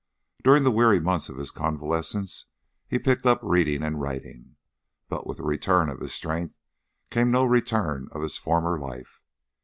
During the weary months of his convalescence he picked up reading and writing, but with the return of his strength came no return of his former life.